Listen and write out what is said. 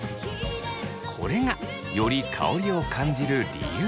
これがより香りを感じる理由です。